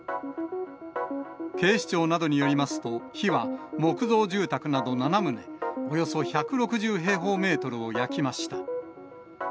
警視庁などによりますと、火は木造住宅など７棟、およそ１６０平方メートルを焼きました。